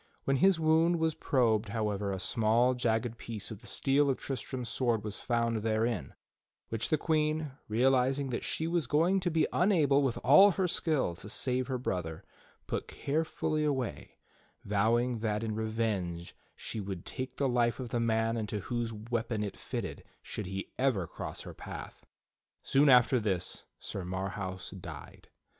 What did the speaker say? When his wound was probed, however, a small, jagged piece of the steel of Tristram's sword was found therein, which the Queen, real izing that she was going to be unable, with all her skill, to save her brother, put carefully away, vowing that in revenge she would take the life of the man into whose weapon it fltted should he ever cross her path. Soon after tliis Sir Marhaus died.